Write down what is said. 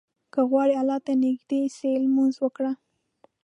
که غواړې الله ته نيږدى سې، لمونځ وکړه.